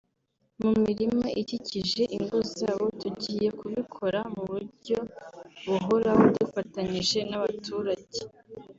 Mu mirima ikikije ingo zabo tugiye kubikora mu buryo buhoraho dufatanyije n’abaturage